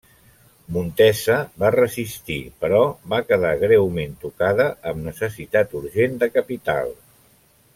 Montesa va resistir però va quedar greument tocada, amb necessitat urgent de capital.